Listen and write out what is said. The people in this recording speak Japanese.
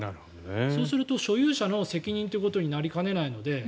そうすると所有者の責任ということになりかねないので。